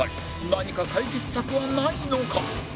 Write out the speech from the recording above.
何か解決策はないのか？